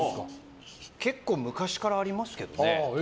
結構、昔からありますけどね。